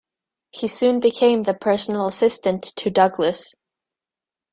He soon became the personal assistant to Douglas.